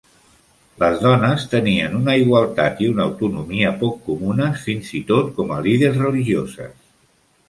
Les dones tenien una igualtat i una autonomia poc comunes, fins i tot com a líders religioses.